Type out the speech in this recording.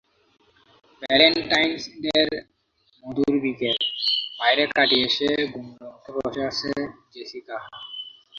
Valentine's ডের মধুর বিকেল বাইরে কাটিয়ে এসে গোমড়ামুখে বসে আছে জেসিকা।